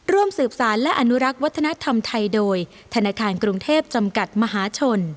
ร่วมสืบสารและอนุรักษ์วัฒนธรรมไทยโดยธนาคารกรุงเทพจำกัดมหาชน